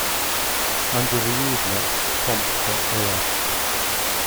Under the Usenet comp.os.